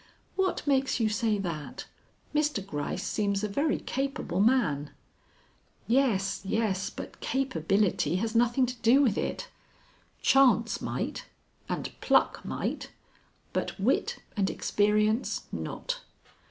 "What makes you say that? Mr. Gryce seems a very capable man." "Yes, yes, but capability has nothing to do with it. Chance might and pluck might, but wit and experience not.